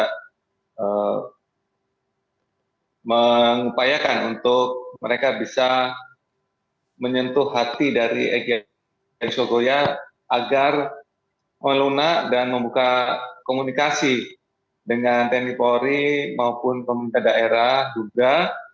kita mengupayakan untuk mereka bisa menyentuh hati dari eglogoya agar melunak dan membuka komunikasi dengan tni polri maupun pemerintah daerah juga